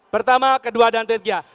pertama kedua dan ketiga